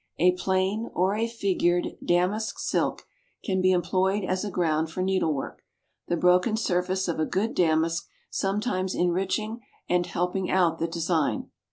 A plain or a figured (damask) silk can be employed as a ground for needlework, the broken surface of a good damask sometimes enriching and helping out the design.